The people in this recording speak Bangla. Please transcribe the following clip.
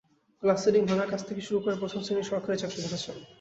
গ্লাস সিলিং ভাঙার কাজ থেকে শুরু করে প্রথম শ্রেণীর সরকারি চাকরি করেছেন।